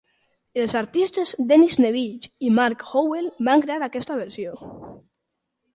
Els artistes Dennis Neville i Mark Howell van crear aquesta versió.